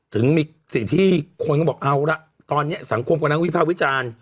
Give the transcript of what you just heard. ถึงมีสิ่งที่คนก็บอกเอาละตอนนี้สังคมกำลังวิภาควิจารณ์